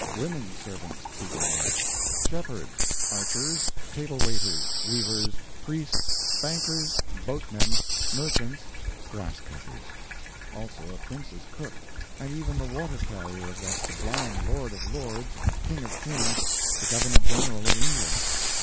Women servants seeking work. Shepherds. Archers. Table waiters. Weavers. Priests. Bankers. Boatmen. Merchants. Grass cutters. Also a prince's cook; and even the water carrier of that sublime lord of lords and king of kings, the Governor General of India!